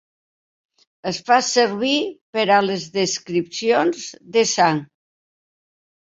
Es fa servir per a les descripcions de sang.